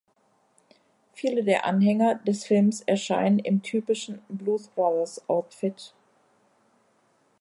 Viele der Anhänger des Films erscheinen im typischen Blues-Brothers-Outfit.